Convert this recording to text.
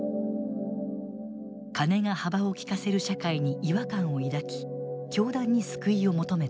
金が幅を利かせる社会に違和感を抱き教団に救いを求めた。